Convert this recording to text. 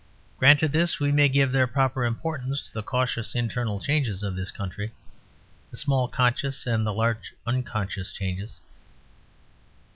Granted this, we may give their proper importance to the cautious internal changes in this country, the small conscious and the large unconscious changes.